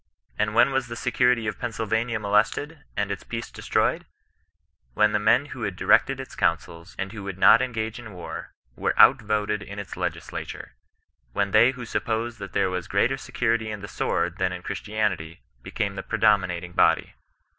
" And when was the security of Pennsylvania molested, and its peace destroyed 1 When the men who had di rected its counsels, and who would 7iot engage in war^ were outvoted in its legislature ; when tliey who stijrposed that there was greater security in the sword than in {jhri* tianitg, became the predominating body.